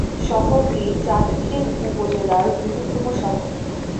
শহরটি চাটখিল উপজেলার বৃহত্তম শহর।